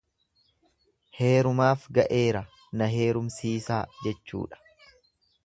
Eerumaaf ga'eera na herumsisaa jechuudha.